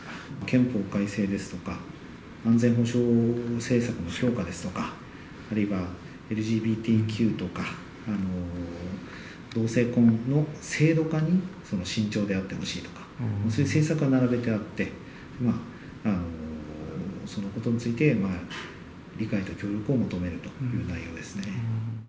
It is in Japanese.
憲法改正ですとか、安全保障政策の強化ですとか、あるいはＬＧＢＴＱとか、同性婚の制度化に慎重であってほしいとか、そういう政策が並べてあって、そのことについて理解と協力を求めるという内容ですね。